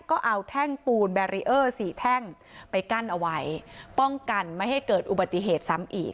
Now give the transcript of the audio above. ก็เอาแท่งปูนแบรีเออร์สี่แท่งไปกั้นเอาไว้ป้องกันไม่ให้เกิดอุบัติเหตุซ้ำอีก